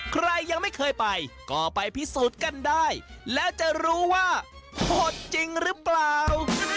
ใครยังไม่เคยไปก็ไปพิสูจน์กันได้แล้วจะรู้ว่าหดจริงหรือเปล่า